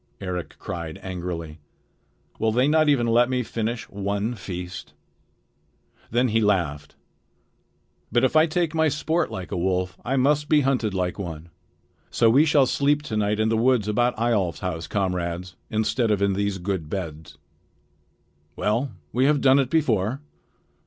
Eric cried angrily. "Will they not even let me finish one feast?" Then he laughed. "But if I take my sport like a wolf, I must be hunted like one. So we shall sleep to night in the woods about Eyjolf's house, comrades, instead of in these good beds. Well, we have done it before."